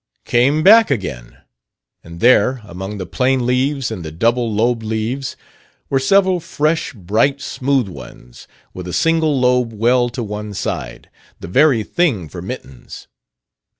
" came back again; and there, among the plain leaves and the double lobed leaves, were several fresh bright, smooth ones with a single lobe well to one side, the very thing for mittens.